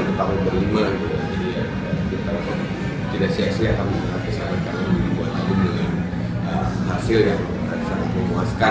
itu tahun berlima jadi tidak sia sia kami buat album dengan hasil yang sangat memuaskan